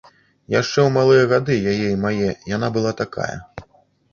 Яшчэ ў малыя гады яе і мае яна была такая.